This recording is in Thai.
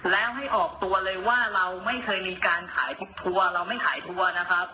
แล้วให้ออกตัวเลยว่าเราไม่เคยมีการขายพวกทัวร์เราไม่ขายทัวร์นะครับ